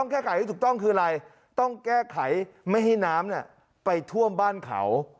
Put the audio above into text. แก้ไขให้ถูกต้องคืออะไรต้องแก้ไขไม่ให้น้ำไปท่วมบ้านเขา